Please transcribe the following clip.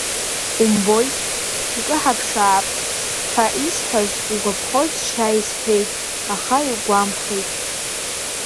Умбои, жәкы ҳаԥшаап ҳәа исҳәаз угәаԥхоз џьшьа исҳәеит, аха иугәамԥхеит.